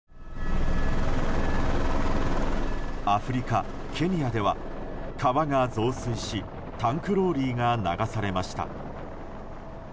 アフリカ・ケニアでは川が増水しタンクローリーが流されました。